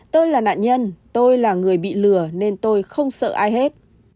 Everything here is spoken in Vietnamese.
tôi là nạn nhân tôi là người bị lừa nên tôi không sợ ai hết